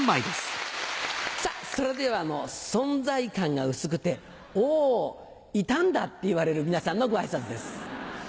それでは存在感が薄くて「おおいたんだ」って言われる皆さんのご挨拶です。